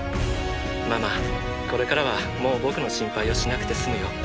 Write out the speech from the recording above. ママこれからはもう僕の心配をしなくて済むよ。